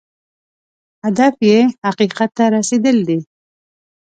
هدف یې حقیقت ته رسېدل دی.